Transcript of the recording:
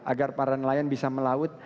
agar para nelayan bisa melaut